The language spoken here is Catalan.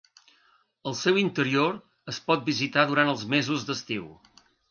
El seu interior es pot visitar durant els mesos d'estiu.